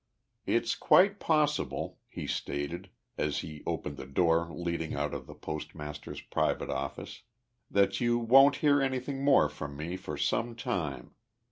"It's quite possible," he stated, as he opened the door leading out of the postmaster's private office, "that you won't hear anything more from me for some time.